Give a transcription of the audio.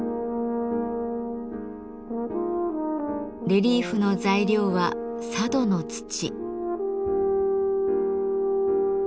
レリーフの材料は佐渡の土。